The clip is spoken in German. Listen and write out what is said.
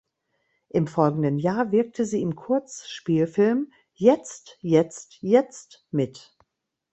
Im folgenden Jahr wirkte sie im Kurzspielfilm "Jetzt Jetzt Jetzt" mit.